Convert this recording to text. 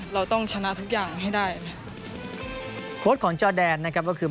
เราต้องชนะทุกอย่างให้ได้โค้ดของจอแดนนะครับก็คือ